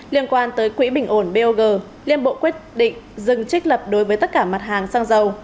liên quan tới quỹ bình ổn bog liên bộ quyết định dừng trích lập đối với tất cả mặt hàng xăng dầu